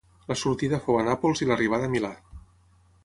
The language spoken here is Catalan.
La sortida fou a Nàpols i l'arribada a Milà.